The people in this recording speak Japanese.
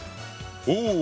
お！